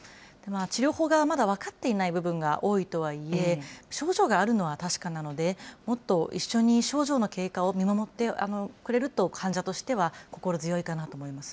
治療法がまだ分かっていない部分が多いとはいえ、症状があるのは確かなので、もっと一緒に症状の経過を見守ってくれると、患者としては心強いかなと思います。